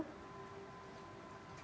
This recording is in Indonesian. kami sudah berkoordinasi dengan kementerian